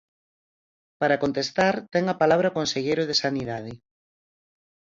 Para contestar, ten a palabra o conselleiro de Sanidade.